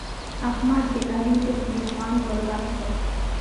احمد د علي د خولې خوند ور بد کړ.